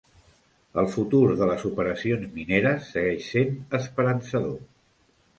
El futur de les operacions mineres segueix sent esperançador.